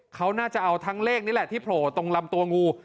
เขาน่าจะเอาทั้งเลขนี่แหละที่โผล่ตรงลำตัวงู